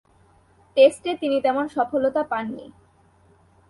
টেস্টে তিনি তেমন সফলতা পাননি।